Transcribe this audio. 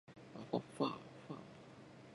あふぁふぁ